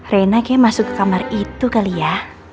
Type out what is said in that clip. rena kayaknya masuk ke kamar itu kali ya